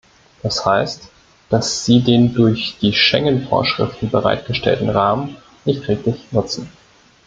Das heißt, dass sie den durch die Schengen-Vorschriften bereitgestellten Rahmen nicht richtig nutzen.